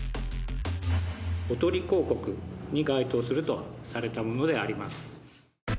おとり広告に該当するとされたものであります。